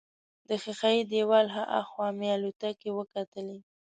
د ښیښه یي دیوال هاخوا مې الوتکې وکتلې.